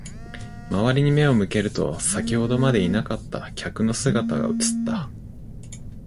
周りに目を向けると、先ほどまでいなかった客の姿が映った。